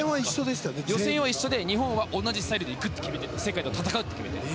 予選は一緒で日本は同じスタイルで行くと決めて世界と戦うって決めている。